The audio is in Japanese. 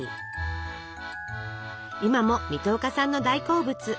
今も水戸岡さんの大好物！